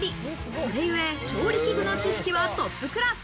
それゆえ、調理器具の知識はトップクラス。